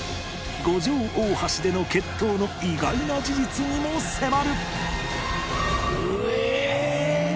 五条大橋での決闘の意外な事実にも迫る！